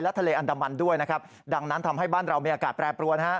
ทะเลอันดามันด้วยนะครับดังนั้นทำให้บ้านเรามีอากาศแปรปรวนฮะ